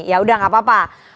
yaudah nggak apa apa